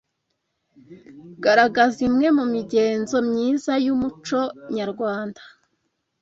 Garagaza imwe mu migenzo myiza y’umuco nyarwanda